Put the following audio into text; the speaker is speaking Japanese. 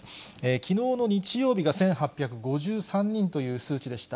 きのうの日曜日が１８５３人という数値でした。